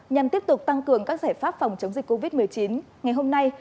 nhằm tiếp tục tăng cường các giải pháp phòng chống dịch covid một mươi chín ngày hôm nay